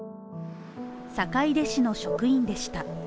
坂出市の職員でした。